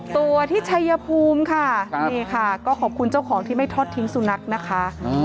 ตัวที่ชัยภูมิค่ะนี่ค่ะก็ขอบคุณเจ้าของที่ไม่ทอดทิ้งสุนัขนะคะ